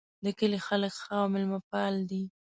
د کلي خلک ښه او میلمه پال دي